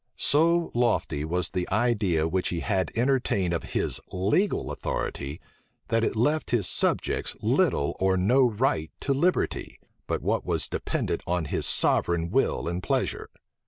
So lofty was the idea which he had entertained of his legal authority, that it left his subjects little or no right to liberty, but what was dependent on his sovereign will and pleasure.